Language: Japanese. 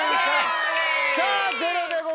さぁゼロでございます。